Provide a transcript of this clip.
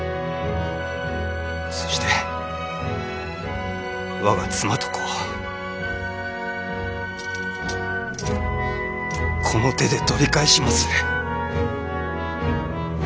そして我が妻と子をこの手で取り返しまする！